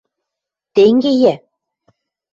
Тенге йӓ...